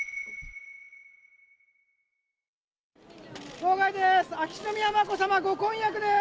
号外です！